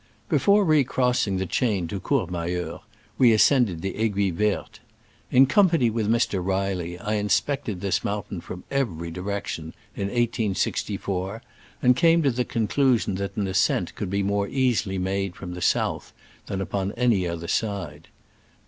Before recrossing the chain to Cour mayeur we ascended the Aiguille Verte. In company with Mr. Reilly I inspected this mountain from every direction in 1864, and came to the conclusion that an ascent could more easily be made from the south than upon any other side.